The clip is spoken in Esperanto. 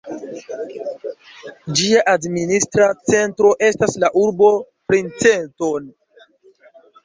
Ĝia administra centro estas la urbo Princeton.